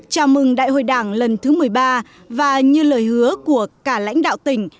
chào mừng đại hội đảng lần thứ một mươi ba và như lời hứa của cả lãnh đạo tỉnh